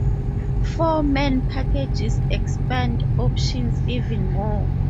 Four-man packages expand options even more.